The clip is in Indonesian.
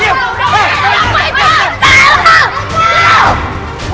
tidak ada salah